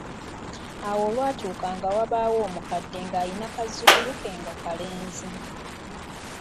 Awo olwatuuka nga wabaawo omukadde ng’alina kazzukulu ke nga kalenzi.